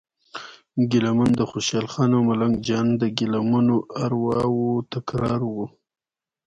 ګیله من د خوشال خان او ملنګ جان د ګیله منو ارواوو تکرار و.